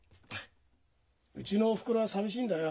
うちのおふくろはさみしいんだよ。